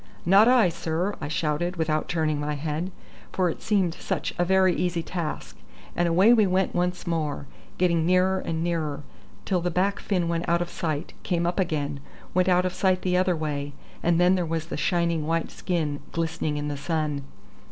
"Not I, sir," I shouted without turning my head, for it seemed such a very easy task; and away we went once more, getting nearer and nearer, till the back fin went out of sight, came up again, went out of sight the other way, and then there was the shining white skin glistening in the sun.